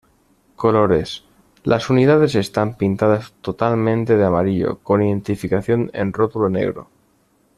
Colores: Las unidades están pintadas totalmente de amarillo, con identificación en rótulo negro.